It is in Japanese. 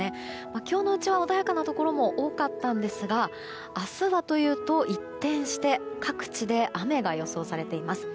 今日のうちは穏やかなところも多かったんですが明日はというと、一転して各地で雨が予想されています。